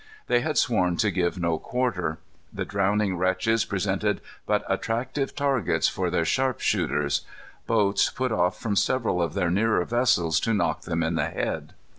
They had sworn to give no quarter. The drowning wretches presented but attractive targets for their sharpshooters. Boats put off from several of their nearer vessels to knock them in the head.